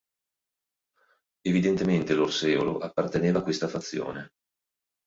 Evidentemente l'Orseolo apparteneva a questa fazione.